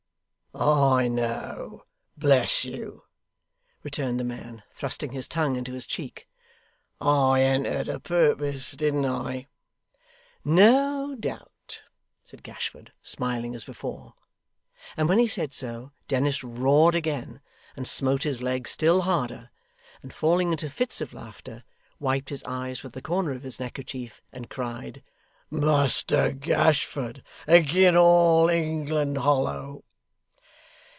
'I know, bless you,' returned the man, thrusting his tongue into his cheek; 'I entered a' purpose, didn't I!' 'No doubt,' said Gashford, smiling as before. And when he said so, Dennis roared again, and smote his leg still harder, and falling into fits of laughter, wiped his eyes with the corner of his neckerchief, and cried, 'Muster Gashford agin' all England hollow!